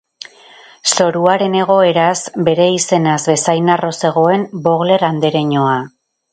Zoruaren egoeraz bere izenaz bezain harro zegoen Vogler andereñoa.